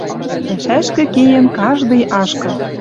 Пӓшӓшкӹ кеен каждый ашкыл.